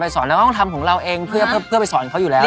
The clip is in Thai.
สอนเราต้องทำของเราเองเพื่อไปสอนเขาอยู่แล้ว